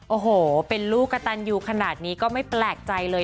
โอ้โหเป็นลูกกระตันยูขนาดนี้ก็ไม่แปลกใจเลย